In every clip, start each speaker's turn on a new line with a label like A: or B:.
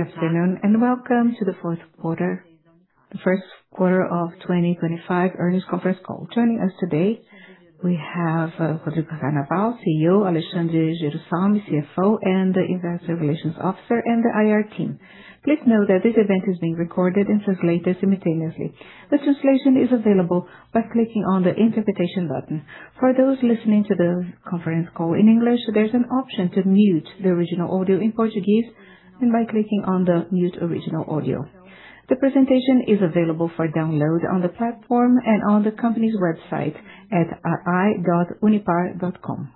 A: Good afternoon. Welcome to the first quarter of 2025 earnings conference call. Joining us today we have Rodrigo Cannaval, CEO, Alexandre Jerussalmy, CFO, and the Investor Relations Officer and the IR team. Please note that this event is being recorded and translated simultaneously. The translation is available by clicking on the Interpretation button. For those listening to the conference call in English, there's an option to mute the original audio in Portuguese by clicking on the Mute Original Audio. The presentation is available for download on the platform and on the company's website at ri.unipar.com.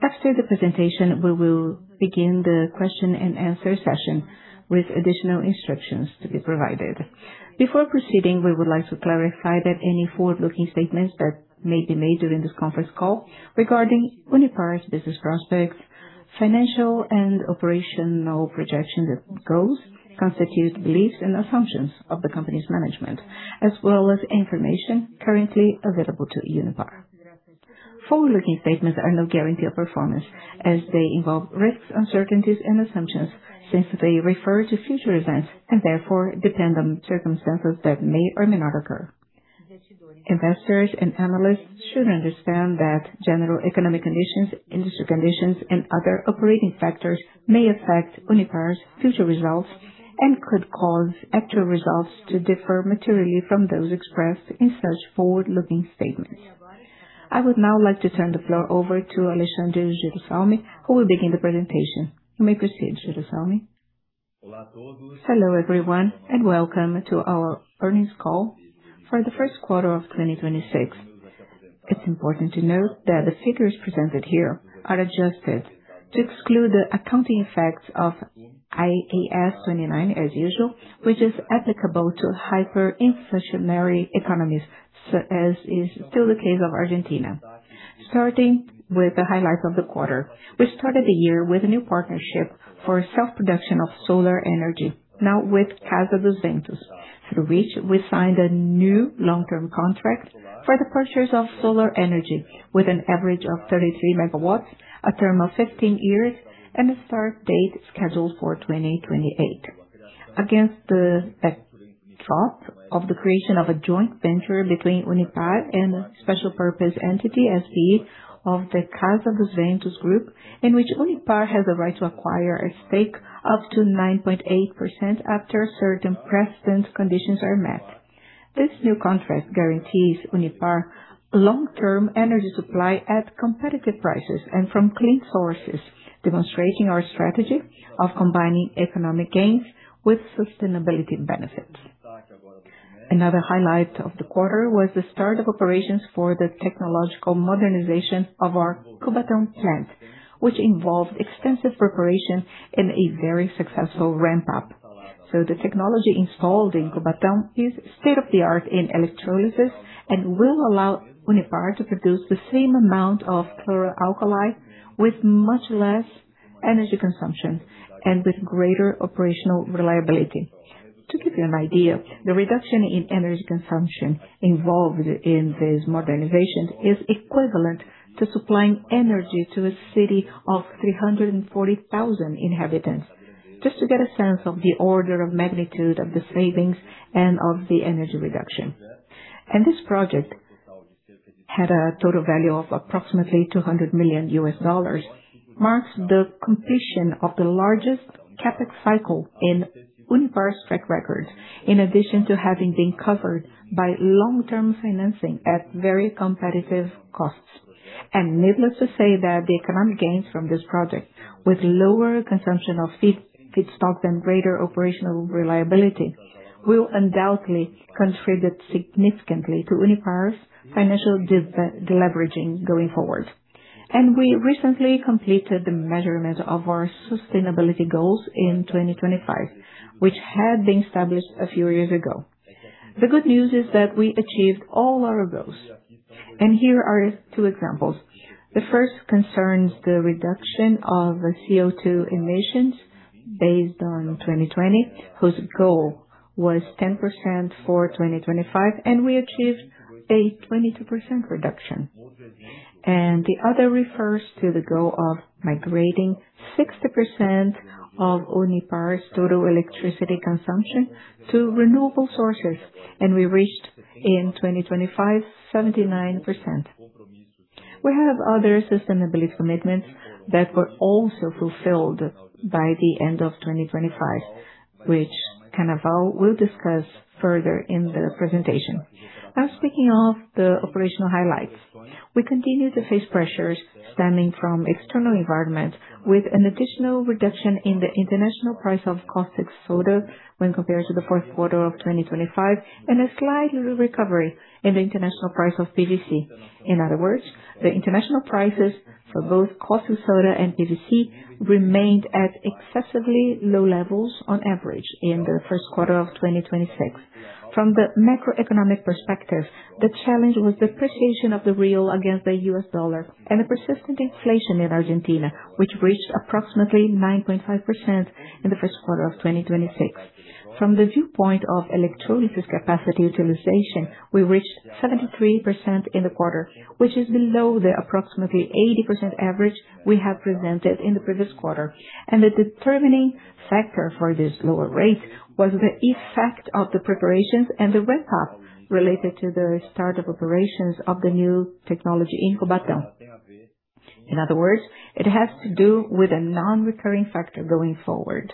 A: After the presentation, we will begin the question and answer session with additional instructions to be provided. Before proceeding, we would like to clarify that any forward-looking statements that may be made during this conference call regarding Unipar's business prospects, financial and operational projections and goals constitute beliefs and assumptions of the company's management, as well as information currently available to Unipar. Forward-looking statements are no guarantee of performance as they involve risks, uncertainties and assumptions since they refer to future events and therefore depend on circumstances that may or may not occur. Investors and analysts should understand that general economic conditions, industry conditions and other operating factors may affect Unipar's future results and could cause actual results to differ materially from those expressed in such forward-looking statements. I would now like to turn the floor over to Alexandre Jerussalmy who will begin the presentation. You may proceed, Jerussalmy.
B: Hello, everyone, and welcome to our earnings call for the first quarter of 2026. It's important to note that the figures presented here are adjusted to exclude the accounting effects of IAS 29 as usual, which is applicable to hyperinflationary economies, as is still the case of Argentina. Starting with the highlights of the quarter. We started the year with a new partnership for self-production of solar energy, now with Casa dos Ventos. Through which we signed a new long-term contract for the purchase of solar energy with an average of 33 MW, a term of 15 years and a start date scheduled for 2028. Against the drop of the creation of a joint venture between Unipar and Special Purpose Entity, SPE, of the Casa dos Ventos Group, in which Unipar has a right to acquire a stake up to 9.8% after certain precedent conditions are met. This new contract guarantees Unipar long-term energy supply at competitive prices and from clean sources, demonstrating our strategy of combining economic gains with sustainability benefits. Another highlight of the quarter was the start of operations for the technological modernization of our Cubatão plant, which involved extensive preparation and a very successful ramp-up. The technology installed in Cubatão is state-of-the-art in electrolysis and will allow Unipar to produce the same amount of chlor-alkali with much less energy consumption and with greater operational reliability. To give you an idea, the reduction in energy consumption involved in these modernizations is equivalent to supplying energy to a city of 340,000 inhabitants. Just to get a sense of the order of magnitude of the savings and of the energy reduction. This project had a total value of approximately $200 million, marks the completion of the largest CapEx cycle in Unipar's track record. In addition to having been covered by long-term financing at very competitive costs. Needless to say that the economic gains from this project, with lower consumption of feed, feedstocks and greater operational reliability, will undoubtedly contribute significantly to Unipar's financial deleveraging going forward. We recently completed the measurement of our sustainability goals in 2025, which had been established a few years ago. The good news is that we achieved all our goals, and here are two examples. The first concerns the reduction of CO2 emissions based on 2020, whose goal was 10% for 2025, and we achieved a 22% reduction. The other refers to the goal of migrating 60% of Unipar's total electricity consumption to renewable sources, and we reached in 2025, 79%. We have other sustainability commitments that were also fulfilled by the end of 2025, which Cannaval will discuss further in the presentation. Speaking of the operational highlights. We continue to face pressures stemming from external environment with an additional reduction in the international price of caustic soda when compared to the fourth quarter of 2025, and a slight little recovery in the international price of PVC. In other words, the international prices for both caustic soda and PVC remained at excessively low levels on average in the first quarter of 2026. From the macroeconomic perspective, the challenge was the appreciation of the real against the U.S. dollar and the persistent inflation in Argentina, which reached approximately 9.5% in the first quarter of 2026. From the viewpoint of electrolysis capacity utilization, we reached 73% in the quarter, which is below the approximately 80% average we have presented in the previous quarter. The determining factor for this lower rate was the effect of the preparations and the ramp-up related to the start of operations of the new technology in Cubatão. In other words, it has to do with a non-recurring factor going forward.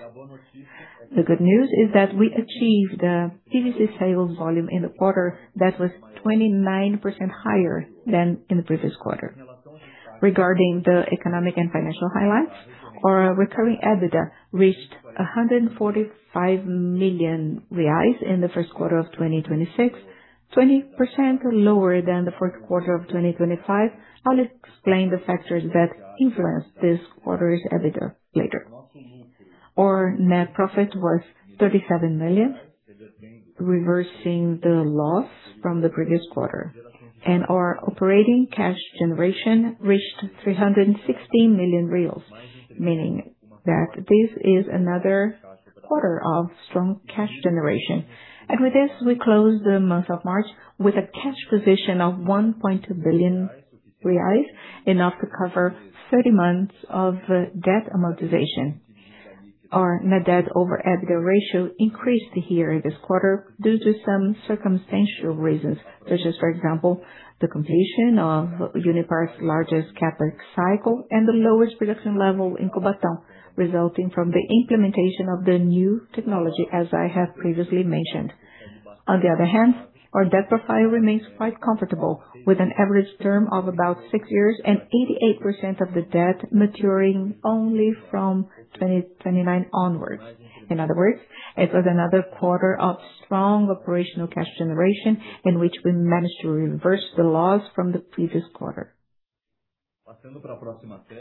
B: The good news is that we achieved the PVC sales volume in the quarter that was 29% higher than in the previous quarter. Regarding the economic and financial highlights, our recurring EBITDA reached 145 million reais in the first quarter of 2026, 20% lower than the fourth quarter of 2025. I'll explain the factors that influenced this quarter's EBITDA later. Our net profit was 37 million, reversing the loss from the previous quarter. Our operating cash generation reached 316 million reais, meaning that this is another quarter of strong cash generation. With this, we close the month of March with a cash position of 1.2 billion reais, enough to cover 30 months of debt amortization. Our net debt over EBITDA ratio increased here in this quarter due to some circumstantial reasons, such as, for example, the completion of Unipar's largest CapEx cycle and the lowest production level in Cubatão, resulting from the implementation of the new technology, as I have previously mentioned. Our debt profile remains quite comfortable, with an average term of about six years and 88% of the debt maturing only from 2029 onwards. In other words, it was another quarter of strong operational cash generation in which we managed to reverse the loss from the previous quarter.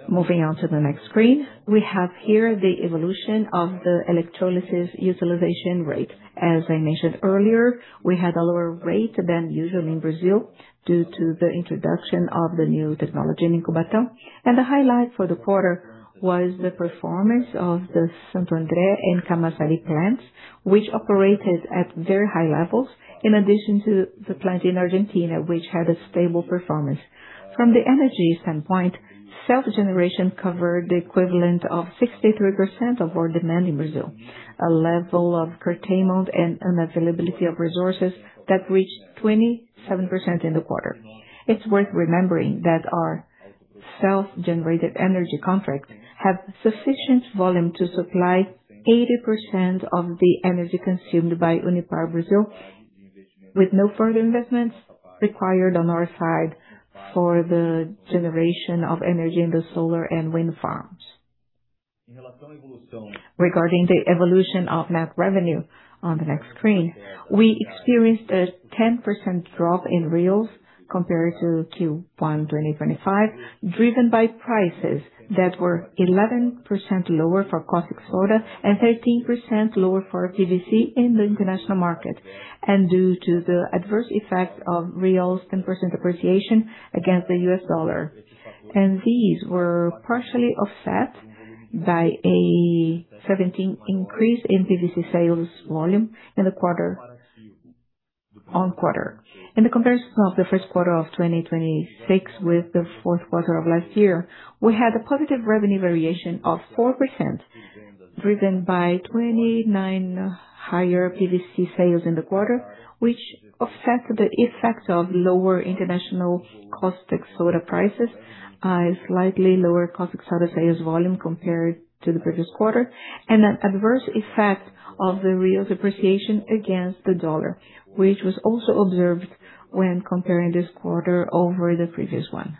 B: Moving on to the next screen. We have here the evolution of the electrolysis utilization rate. As I mentioned earlier, we had a lower rate than usual in Brazil due to the introduction of the new technology in Cubatão. The highlight for the quarter was the performance of the Santo André and Camaçari plants, which operated at very high levels, in addition to the plant in Argentina, which had a stable performance. From the energy standpoint, self-generation covered the equivalent of 63% of our demand in Brazil, a level of curtailment and unavailability of resources that reached 27% in the quarter. It's worth remembering that our self-generated energy contracts have sufficient volume to supply 80% of the energy consumed by Unipar Brazil, with no further investments required on our side for the generation of energy in the solar and wind farms. Regarding the evolution of net revenue, on the next screen, we experienced a 10% drop in reais compared to Q1 2025, driven by prices that were 11% lower for caustic soda and 13% lower for PVC in the international market. Due to the adverse effect of real's 10% depreciation against the U.S. dollar. These were partially offset by a 17% increase in PVC sales volume in the quarter-on-quarter. In the comparison of the first quarter of 2026 with the fourth quarter of last year, we had a positive revenue variation of 4%, driven by 29% higher PVC sales in the quarter, which offset the effects of lower international caustic soda prices, a slightly lower caustic soda sales volume compared to the previous quarter, and an adverse effect of the real's depreciation against the U.S. dollar, which was also observed when comparing this quarter over the previous one.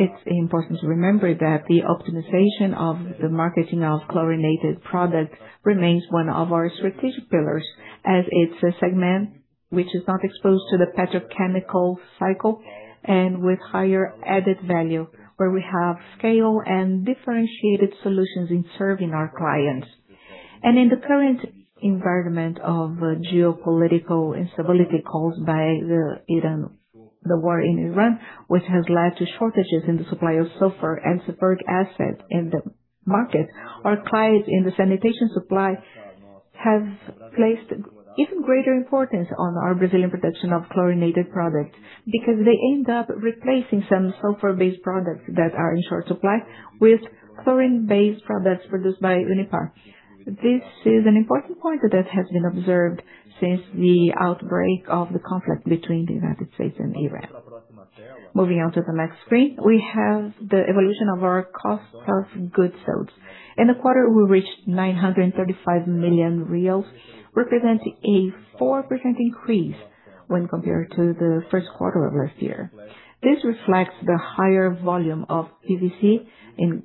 B: It's important to remember that the optimization of the marketing of chlorinated products remains one of our strategic pillars, as it's a segment which is not exposed to the petrochemical cycle and with higher added value, where we have scale and differentiated solutions in serving our clients. In the current environment of geopolitical instability caused by the war in Iran, which has led to shortages in the supply of sulfur and sulfuric acid in the market, our clients in the sanitation supply have placed even greater importance on our Brazilian production of chlorinated products because they end up replacing some sulfur-based products that are in short supply with chlorine-based products produced by Unipar. This is an important point that has been observed since the outbreak of the conflict between the U.S. and Iran. Moving on to the next screen, we have the evolution of our cost of goods sold. In the quarter, we reached 935 million reais, representing a 4% increase when compared to the first quarter of last year. This reflects the higher volume of PVC in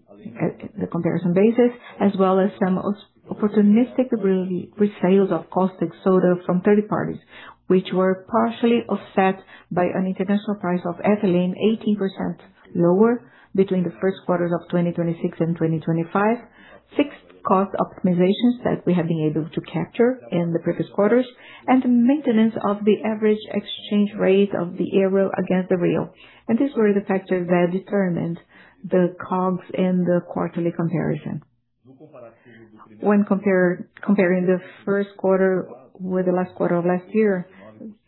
B: the comparison basis, as well as some opportunistic resales of caustic soda from third parties, which were partially offset by an international price of ethylene 18% lower between the first quarters of 2026 and 2025, fixed cost optimizations that we have been able to capture in the previous quarters, and maintenance of the average exchange rate of the euro against the real. These were the factors that determined the COGS in the quarterly comparison. Comparing the first quarter with the last quarter of last year,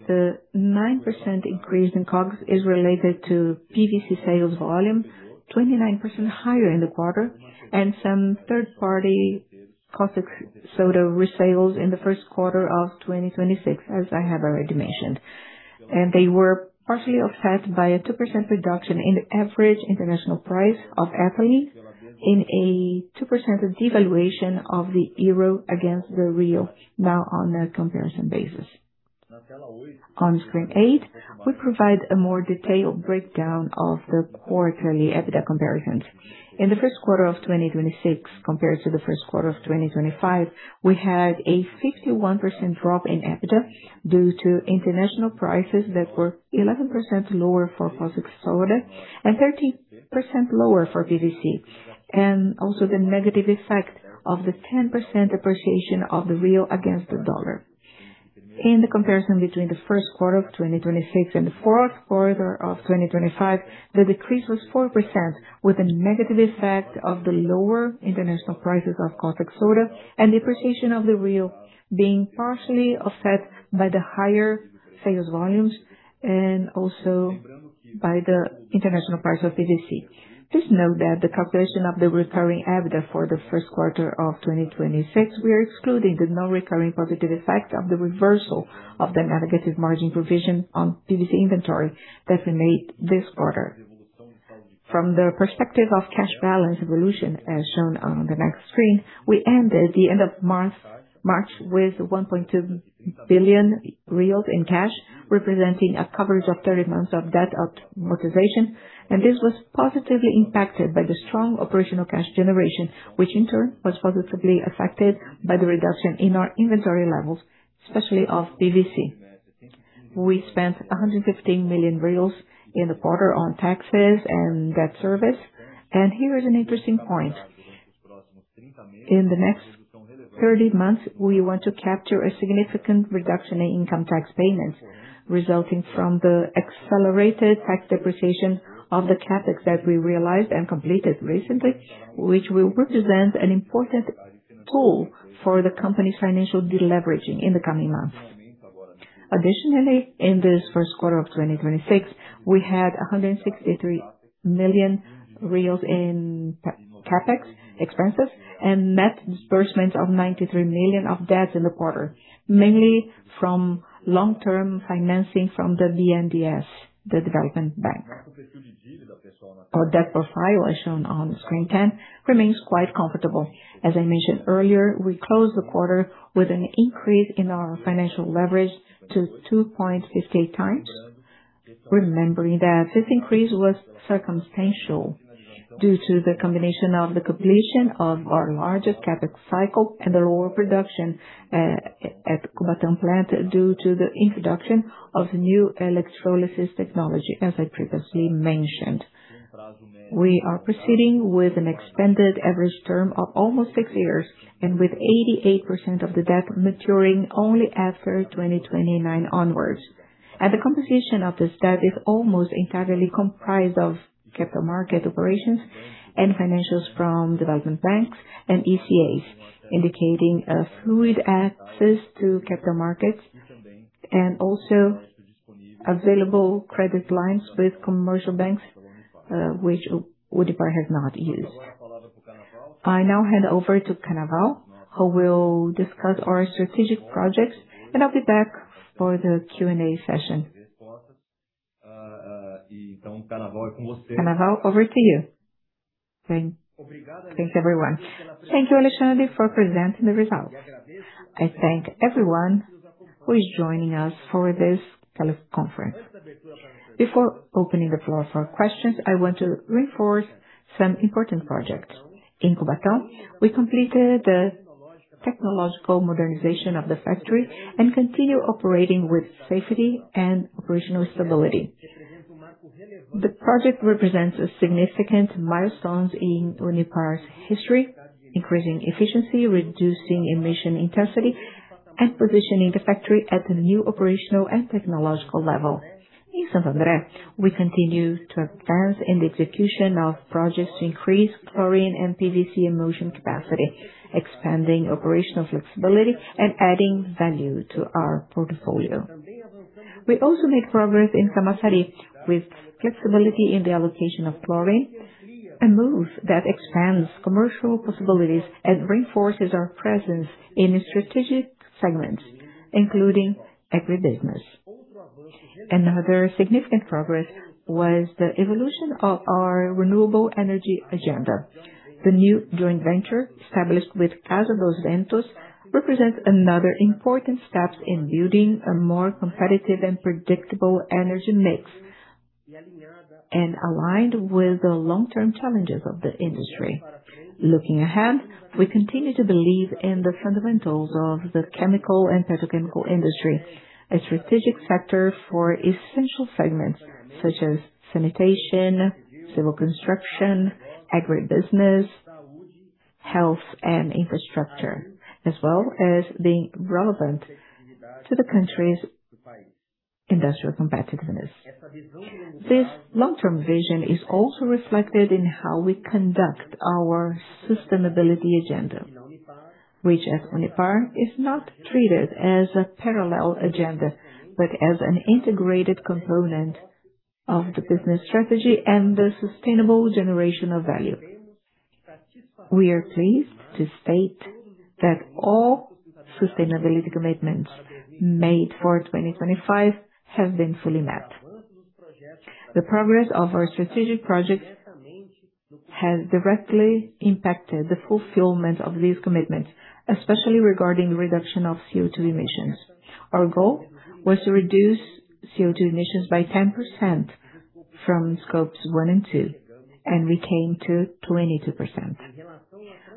B: the 9% increase in COGS is related to PVC sales volume, 29% higher in the quarter, and some third-party caustic soda resales in the first quarter of 2026, as I have already mentioned. They were partially offset by a 2% reduction in the average international price of ethylene, in a 2% devaluation of the euro against the real now on a comparison basis. On screen eight, we provide a more detailed breakdown of the quarterly EBITDA comparisons. In the first quarter of 2026 compared to the first quarter of 2025, we had a 51% drop in EBITDA due to international prices that were 11% lower for caustic soda and 13% lower for PVC. The negative effect of the 10% depreciation of the real against the U.S. dollar. In the comparison between the first quarter of 2026 and the fourth quarter of 2025, the decrease was 4% with a negative effect of the lower international prices of caustic soda and depreciation of the real being partially offset by the higher sales volumes and also by the international price of PVC. Please note that the calculation of the recurring EBITDA for the first quarter of 2026, we are excluding the non-recurring positive effect of the reversal of the negative margin provision on PVC inventory that we made this quarter. From the perspective of cash balance evolution, as shown on the next screen, we ended the end of month, March, with 1.2 billion reais in cash, representing a coverage of 30 months of debt amortization. This was positively impacted by the strong operational cash generation, which in turn was positively affected by the reduction in our inventory levels, especially of PVC. We spent 115 million reais in the quarter on taxes and debt service. Here is an interesting point. In the next 30 months, we want to capture a significant reduction in income tax payments, resulting from the accelerated tax depreciation of the CapEx that we realized and completed recently, which will represent an important tool for the company's financial deleveraging in the coming months. Additionally, in this first quarter of 2026, we had 163 million in CapEx expenses and net disbursement of 93 million of debt in the quarter, mainly from long-term financing from the BNDES, the development bank. Our debt profile, as shown on screen 10, remains quite comfortable. As I mentioned earlier, we closed the quarter with an increase in our financial leverage to 2.58x. Remembering that this increase was circumstantial due to the combination of the completion of our largest CapEx cycle and the lower production at Cubatão plant due to the introduction of new electrolysis technology, as I previously mentioned. We are proceeding with an expanded average term of almost six years and with 88% of the debt maturing only after 2029 onwards. The composition of this debt is almost entirely comprised of capital market operations and financials from development banks and ECAs, indicating a fluid access to capital markets and also available credit lines with commercial banks which Unipar has not used. I now hand over to Cannaval, who will discuss our strategic projects, and I'll be back for the Q&A session. Cannaval, over to you.
C: Thanks everyone. Thank you, Alexandre, for presenting the results. I thank everyone who is joining us for this teleconference. Before opening the floor for questions, I want to reinforce some important projects. In Cubatão, we completed the technological modernization of the factory and continue operating with safety and operational stability. The project represents a significant milestone in Unipar's history, increasing efficiency, reducing emission intensity, and positioning the factory at a new operational and technological level. In Santo André, we continue to advance in the execution of projects to increase chlorine and PVC emulsion capacity, expanding operational flexibility and adding value to our portfolio. We also made progress in Camaçari with flexibility in the allocation of chlorine, a move that expands commercial possibilities and reinforces our presence in strategic segments, including agribusiness. Another significant progress was the evolution of our renewable energy agenda. The new joint venture established with Casa dos Ventos represents another important step in building a more competitive and predictable energy mix and aligned with the long-term challenges of the industry. Looking ahead, we continue to believe in the fundamentals of the chemical and petrochemical industry, a strategic sector for essential segments such as sanitation, civil construction, agribusiness, health and infrastructure, as well as being relevant to the country's industrial competitiveness. This long-term vision is also reflected in how we conduct our sustainability agenda, which at Unipar is not treated as a parallel agenda, but as an integrated component of the business strategy and the sustainable generation of value. We are pleased to state that all sustainability commitments made for 2025 have been fully met. The progress of our strategic projects has directly impacted the fulfillment of these commitments, especially regarding reduction of CO2 emissions. Our goal was to reduce CO2 emissions by 10% from Scope 1 and 2, we came to 22%.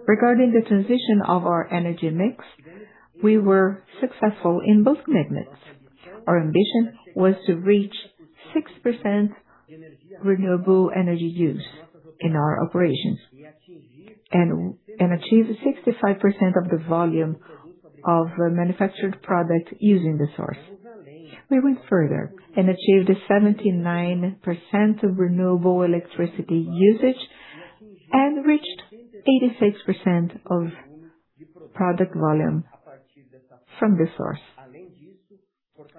C: Regarding the transition of our energy mix, we were successful in both commitments. Our ambition was to reach 6% renewable energy use in our operations and achieve 65% of the volume of manufactured product using the source. We went further and achieved 79% of renewable electricity usage and reached 86% of product volume from the source.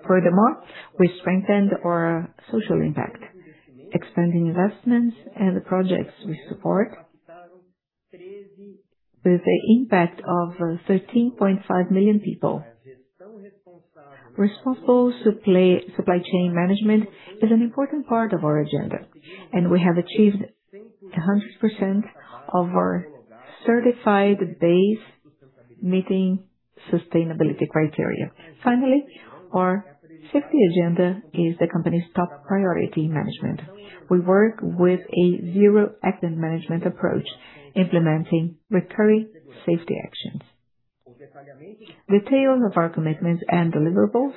C: Furthermore, we strengthened our social impact, expanding investments and the projects we support with the impact of 13.5 million people. Responsible supply chain management is an important part of our agenda, we have achieved 100% of our certified base meeting sustainability criteria. Finally, our safety agenda is the company's top priority management. We work with a zero accident management approach, implementing recurring safety actions. Details of our commitments and deliverables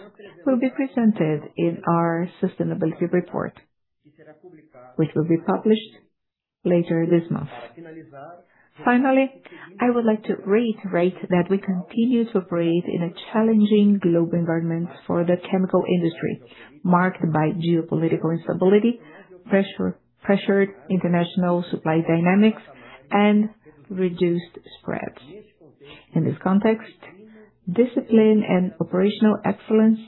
C: will be presented in our sustainability report, which will be published later this month. Finally, I would like to reiterate that we continue to operate in a challenging global environment for the chemical industry, marked by geopolitical instability, pressured international supply dynamics, and reduced spreads. In this context, discipline and operational excellence,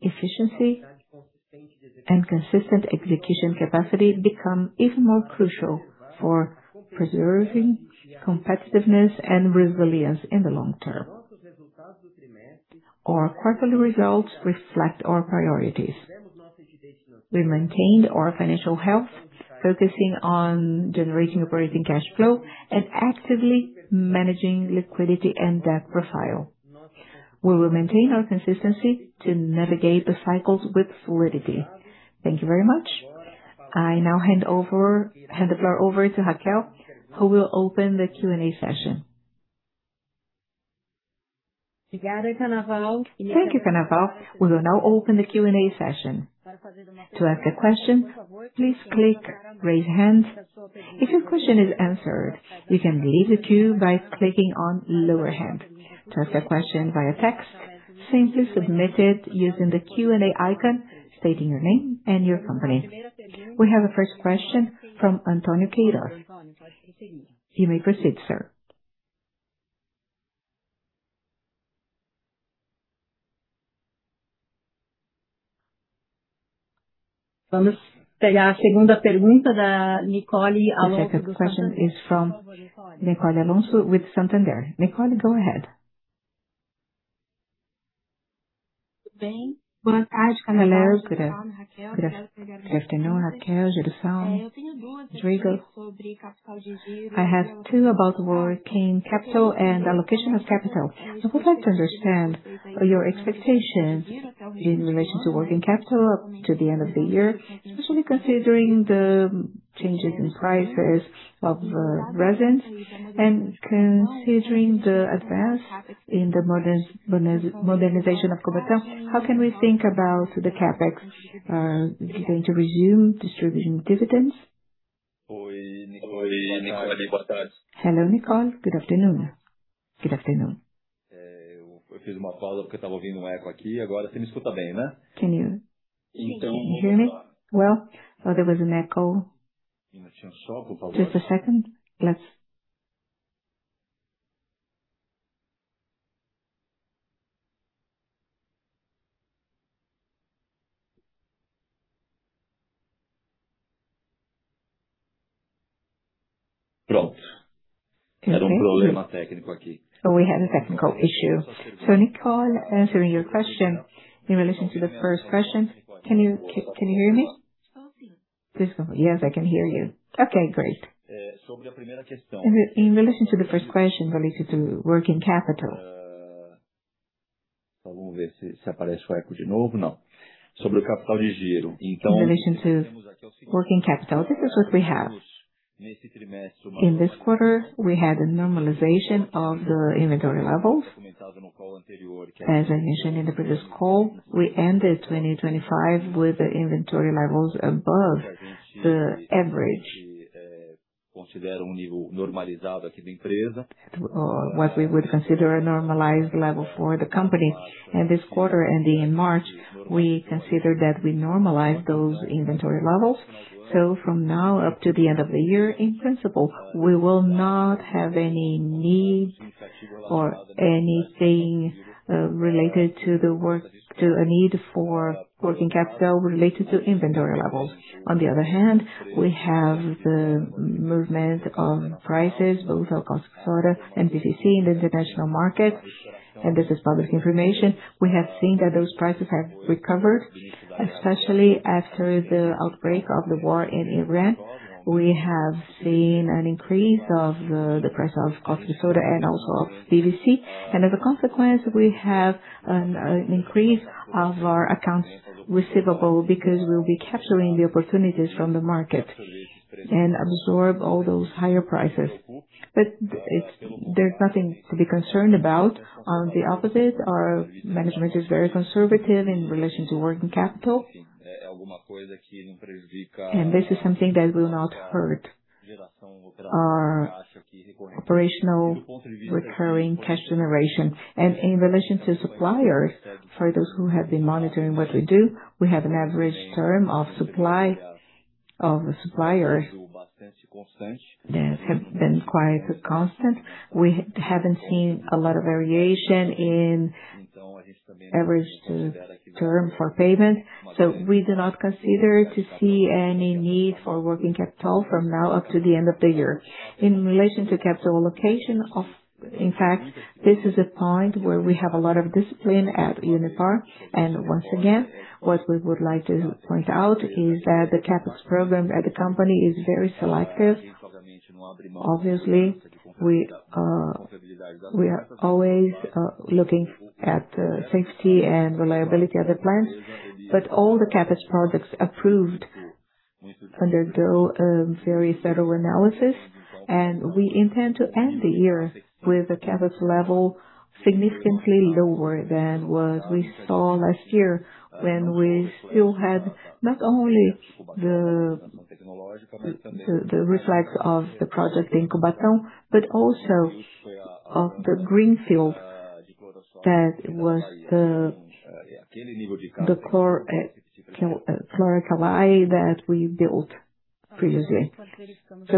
C: efficiency and consistent execution capacity become even more crucial for preserving competitiveness and resilience in the long term. Our quarterly results reflect our priorities. We maintained our financial health, focusing on generating operating cash flow and actively managing liquidity and debt profile. We will maintain our consistency to navigate the cycles with solidity. Thank you very much. I now hand the floor over to Raquel, who will open the Q&A session.
A: Thank you, Cannaval. We will now open the Q&A session. To ask a question, please click Raise Hand. If your question is answered, you can leave the queue by clicking on Lower Hand. To ask a question via text, simply submit it using the Q&A icon, stating your name and your company. We have a first question from Antonio Queiroz. You may proceed, sir. The second question is from Nicole Alonso with Santander. Nicole, go ahead.
D: Good afternoon, Raquel, Jerussalmy, Rodrigo. I have two about working capital and allocation of capital. I would like to understand your expectations in relation to working capital up to the end of the year, especially considering the changes in prices of resins and considering the advance in the modernization of Cubatão. How can we think about the CapEx? Are you going to resume distributing dividends?
C: Hello, Nicole. Good afternoon.
D: Good afternoon.
C: Can you hear me?
D: Well, there was an echo.
C: Just a second, please. We had a technical issue. Nicole, answering your question in relation to the first question. Can you hear me?
D: Yes, I can hear you.
C: Okay, great. In relation to the first question related to working capital. In relation to working capital, this is what we have. In this quarter, we had a normalization of the inventory levels. As I mentioned in the previous call, we ended 2025 with the inventory levels above the average considered a normal level of the company. This quarter ending in March, we consider that we normalize those inventory levels. From now up to the end of the year, in principle, we will not have any need for anything related to a need for working capital related to inventory levels. On the other hand, we have the movement of prices, both of caustic soda and PVC in the international market, and this is public information. We have seen that those prices have recovered, especially after the outbreak of the war in Iran. We have seen an increase of the price of caustic soda and also of PVC. As a consequence, we have an increase of our accounts receivable because we'll be capturing the opportunities from the market and absorb all those higher prices. There's nothing to be concerned about. On the opposite, our management is very conservative in relation to working capital. This is something that will not hurt our operational recurring cash generation. In relation to suppliers, for those who have been monitoring what we do, we have an average term of suppliers that have been quite constant. We haven't seen a lot of variation in average term for payment, so we do not consider to see any need for working capital from now up to the end of the year. In relation to capital allocation, in fact, this is a point where we have a lot of discipline at Unipar. Once again, what we would like to point out is that the CapEx program at the company is very selective. Obviously, we are always looking at safety and reliability of the plants. All the CapEx projects approved undergo a very thorough analysis, and we intend to end the year with a CapEx level significantly lower than what we saw last year, when we still had not only the reflex of the project in Cubatão, but also of the greenfield. That was the chlor-alkali that we built previously.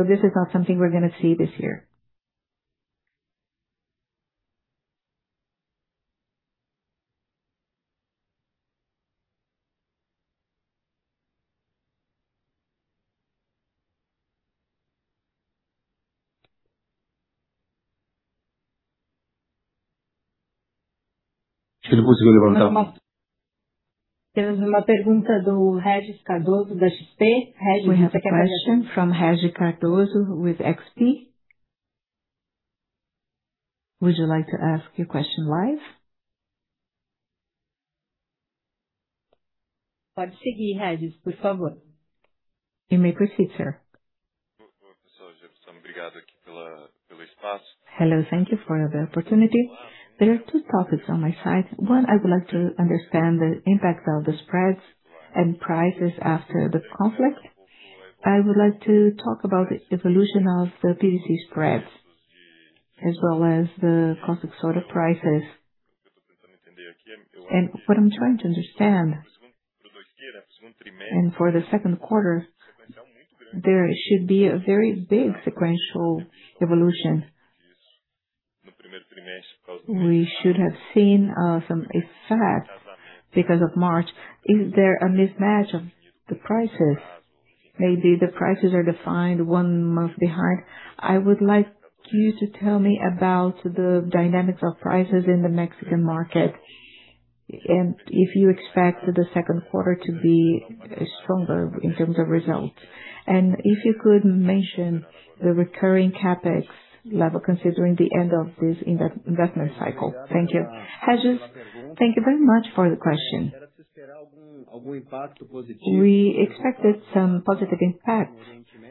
C: This is not something we're gonna see this year.
A: We have a question from Regis Cardoso with XP. Would you like to ask your question live? You may proceed, sir.
E: Hello. Thank you for the opportunity. There are two topics on my side. One, I would like to understand the impact of the spreads and prices after the conflict. I would like to talk about the evolution of the PVC spreads, as well as the caustic soda prices. What I'm trying to understand, and for the second quarter, there should be a very big sequential evolution. We should have seen some effect because of March. Is there a mismatch of the prices? Maybe the prices are defined one month behind. I would like you to tell me about the dynamics of prices in the Mexican market and if you expect the second quarter to be stronger in terms of results. If you could mention the recurring CapEx level considering the end of this investment cycle. Thank you.
C: Regis, thank you very much for the question. We expected some positive impact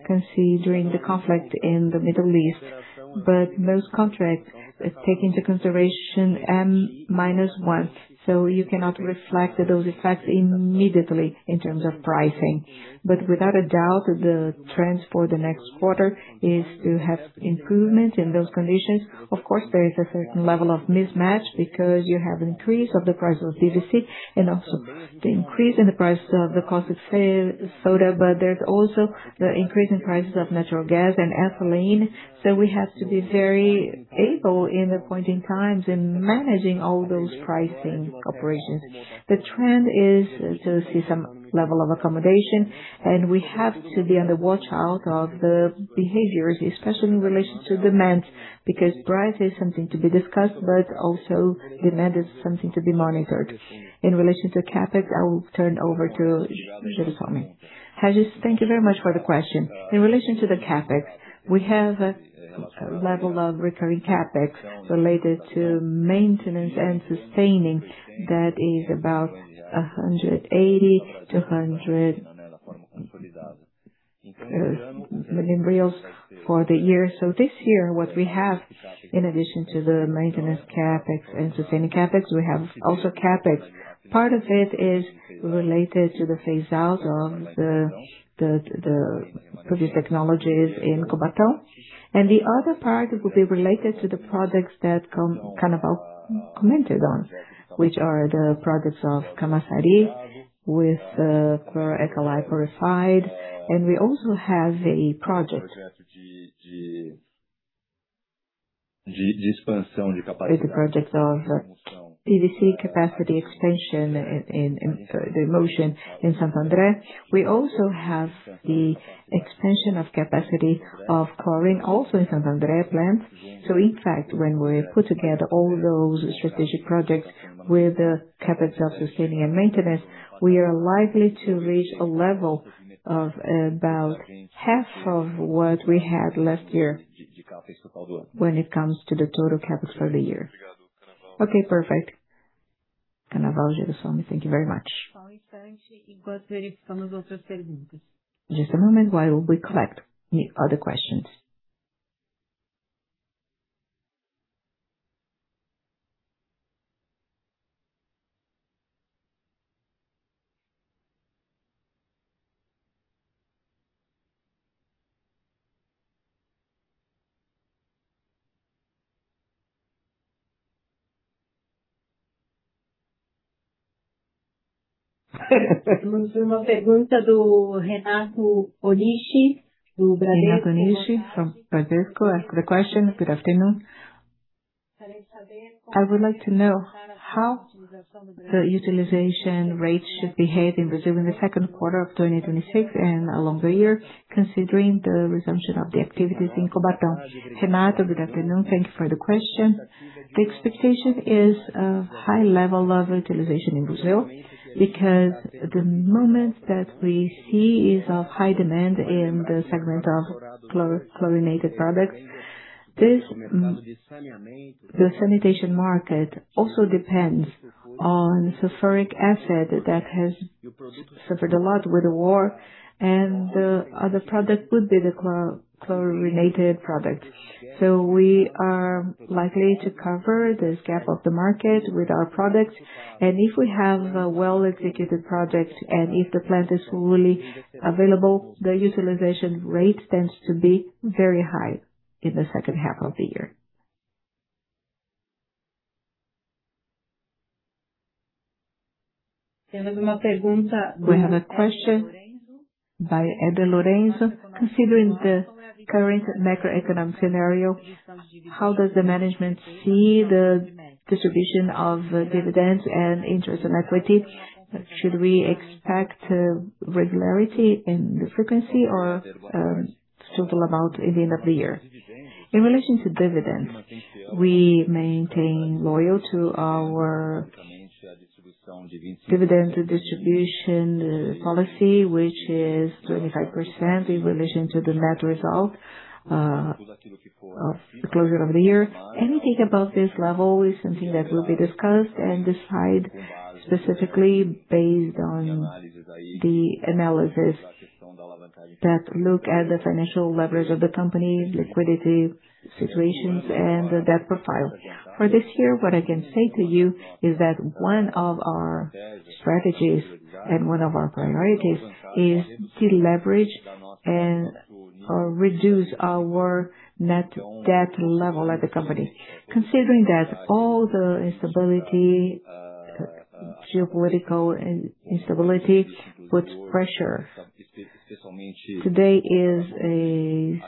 C: considering the conflict in the Middle East, but most contracts take into consideration minus one, so you cannot reflect those effects immediately in terms of pricing. Without a doubt, the trends for the next quarter is to have improvement in those conditions. Of course, there is a certain level of mismatch because you have increase of the price of PVC and also the increase in the price of the caustic soda. There's also the increase in prices of natural gas and ethylene. We have to be very able in appointing times in managing all those pricing operations. The trend is to see some level of accommodation, and we have to be on the watch out of the behaviors, especially in relation to demand, because price is something to be discussed, but also demand is something to be monitored. In relation to CapEx, I will turn over to Jerussalmy.
B: Regis, thank you very much for the question. In relation to the CapEx, we have a level of recurring CapEx related to maintenance and sustaining that is about 180 million-100 million for the year. This year, what we have in addition to the maintenance CapEx and sustaining CapEx, we have also CapEx. Part of it is related to the phase out of the previous technologies in Cubatão. The other part will be related to the projects that Cannaval commented on, which are the projects of Camaçari with chlor-alkali purified. We also have a project with the project of PVC capacity expansion in Santo André. We also have the expansion of capacity of chlorine also in Santo André plant. In fact, when we put together all those strategic projects with the capital sustaining and maintenance, we are likely to reach a level of about half of what we had last year when it comes to the total CapEx for the year.
E: Okay, perfect. Cannaval, Jerussalmy, thank you very much.
A: Just a moment while we collect any other questions. asked the question. Good afternoon. I would like to know how the utilization rates should behave in Brazil in the second quarter of 2026 and along the year, considering the resumption of the activities in Cubatão.
C: Renato, good afternoon. Thank you for the question. The expectation is a high level of utilization in Brazil because the moment that we see is of high demand in the segment of chlorinated products. This, the sanitation market also depends on sulfuric acid that has suffered a lot with the war, and the other product would be the chlorinated product. We are likely to cover this gap of the market with our products. If we have a well-executed project and if the plant is fully available, the utilization rate tends to be very high in the second half of the year.
A: We have a question by Eder Lorenzo. Considering the current macroeconomic scenario, how does the management see the distribution of dividends and interest in equity? Should we expect regularity in the frequency or simple amount at the end of the year?
C: In relation to dividends, we maintain loyal to our dividend distribution policy, which is 25% in relation to the net result of the closure of the year. Anything above this level is something that will be discussed and decide specifically based on the analysis that look at the financial leverage of the company, liquidity situations and the debt profile. For this year, what I can say to you is that one of our strategies and one of our priorities is deleverage and, or reduce our net debt level at the company. Considering that all the instability, geopolitical instability puts pressure. Today is a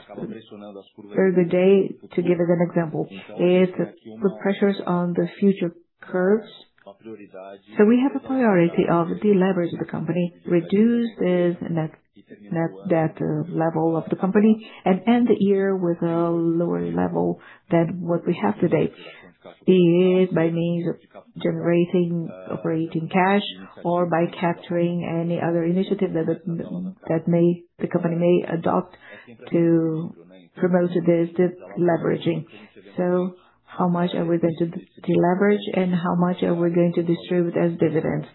C: very good day to give as an example, is put pressures on the future curves. We have a priority of deleverage the company, reduce this net debt level of the company, and end the year with a lower level than what we have today, is by means of generating operating cash or by capturing any other initiative that the company may adopt to promote this deleveraging. How much are we going to deleverage and how much are we going to distribute as dividends?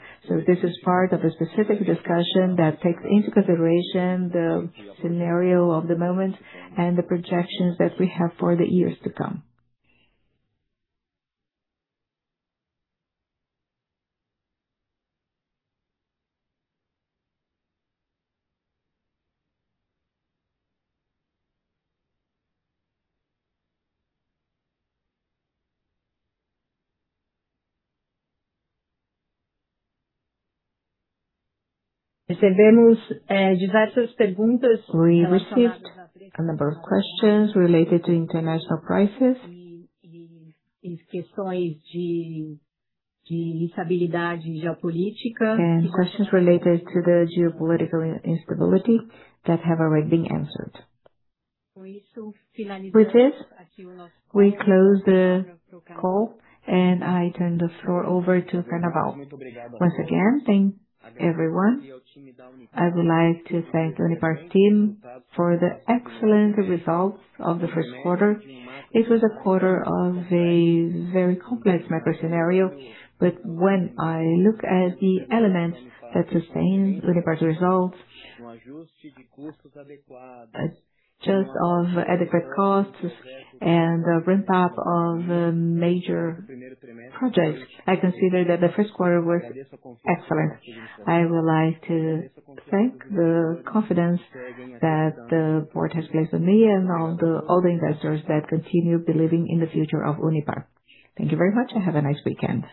C: This is part of a specific discussion that takes into consideration the scenario of the moment and the projections that we have for the years to come. We received a number of questions related to international prices and questions related to the geopolitical instability that have already been answered.
A: With this, we close the call and I turn the floor over to Cannaval.
C: Once again, thank everyone. I would like to thank Unipar team for the excellent results of the first quarter. It was a quarter of a very complex macro scenario. When I look at the elements that sustained Unipar's results, just of adequate costs and a ramp up of the major projects, I consider that the first quarter was excellent. I would like to thank the confidence that the board has placed on me and all the investors that continue believing in the future of Unipar. Thank you very much and have a nice weekend.